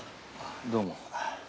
どうも。